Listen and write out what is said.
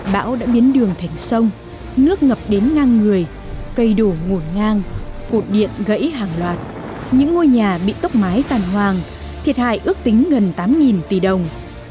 bão đã biến đường thành sông nước ngập đến ngang người cây đổ ngổn ngang cột điện gãy hàng loạt những ngôi nhà bị tốc mái tàn hoàng thiệt hại ước tính gần tám tỷ đồng